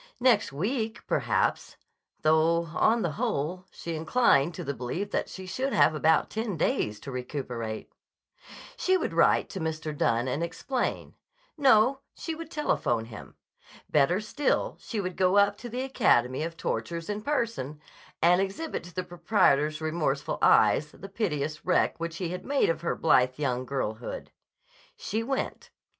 Next week, perhaps—'though, on the whole, she inclined to the belief that she should have about ten days to recuperate. She would write to Mr. Dunne and explain. No; she would telephone him. Better still, she would go up to the Academy of Tortures in person and exhibit to the proprietor's remorseful eyes the piteous wreck which he had made of her blithe young girlhood. She went.